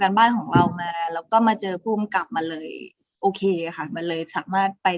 บ้านของเรามาแล้วก็มาเจอผู้กำกับมาเลยโอเคค่ะมันเลยสามารถไป